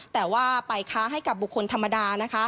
แต่ว่าไปค้าให้กับบุคคลธรรมดานะคะ